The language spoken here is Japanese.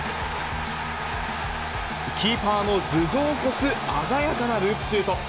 キーパーの頭上を越す鮮やかなループシュート。